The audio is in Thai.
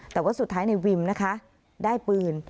แต่ว่าสุดท้ายในวิมนะคะได้ปืน